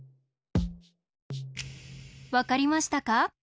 わかりましたか？